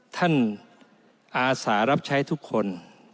ท่านอาสารับใช้ทุกคน